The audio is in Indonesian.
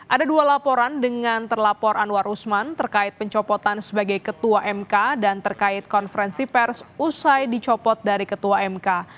ada dua laporan dengan terlapor anwar usman terkait pencopotan sebagai ketua mk dan terkait konferensi pers usai dicopot dari ketua mk